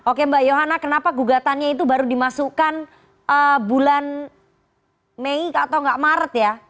oke mbak yohana kenapa gugatannya itu baru dimasukkan bulan mei atau nggak maret ya